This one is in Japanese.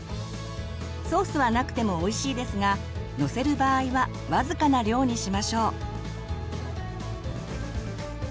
ソースはなくてもおいしいですがのせる場合は僅かな量にしましょう。